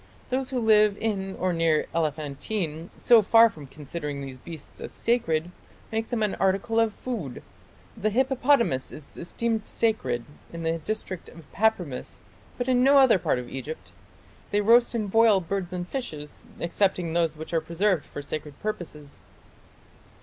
Those who live in or near Elephantine, so far from considering these beasts as sacred, make them an article of food.... The hippopotamus is esteemed sacred in the district of Papremis, but in no other part of Egypt.... They roast and boil ... birds and fishes ... excepting those which are preserved for sacred purposes."